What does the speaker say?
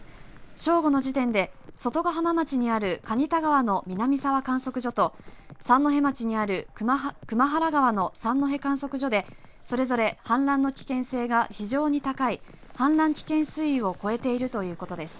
正午の時点で外ヶ浜町にある蟹田川の南沢観測所と三戸町にある熊原川の三戸観測所でそれぞれ氾濫の危険性が非常に高い氾濫危険水位を超えているということです。